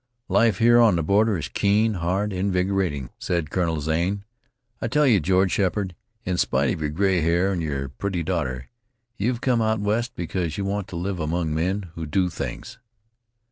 "Life here on the border is keen, hard, invigorating," said Colonel Zane. "I tell you, George Sheppard, in spite of your gray hair and your pretty daughter, you have come out West because you want to live among men who do things."